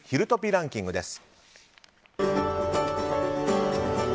ランキングです。